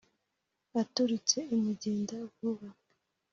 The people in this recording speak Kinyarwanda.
aturutse i mugenda-vuba